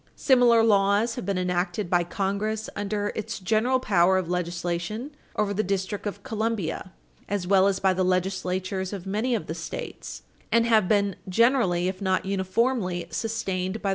Similar laws have been enacted by Congress under its general power of legislation over the District of Columbia, Rev.Stat.D.C. §§ 281, 282, 283, 310, 319, as well as by the legislatures of many of the States, and have been generally, if not uniformly, sustained by the courts.